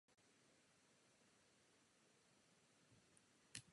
Budova je památkově chráněná.